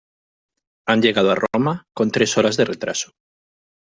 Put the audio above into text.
Han llegado a Roma con tres horas de retraso.